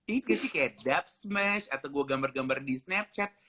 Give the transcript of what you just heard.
itu sih kayak dapsmas atau gue gambar gambar di snapchat